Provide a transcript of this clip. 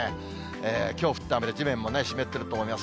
きょう降った雨で地面も湿っていると思います。